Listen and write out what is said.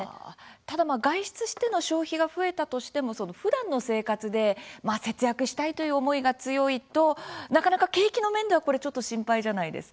ただ外出しての消費が増えたとしてもそのふだんの生活で節約したいという思いが強いとなかなか景気の面ではこれちょっと心配じゃないですか。